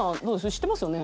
知ってますよね？